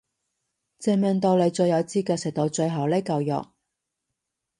證明到你最有資格食到最後呢嚿肉